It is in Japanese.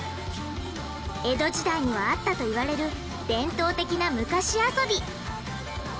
江戸時代にはあったと言われる伝統的な昔遊び。